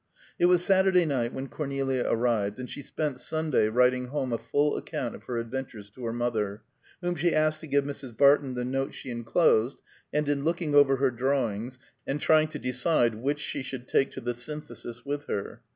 It was Saturday night when Cornelia arrived, and she spent Sunday writing home a full account of her adventures to her mother, whom she asked to give Mrs. Barton the note she enclosed, and in looking over her drawings, and trying to decide which she should take to the Synthesis with her.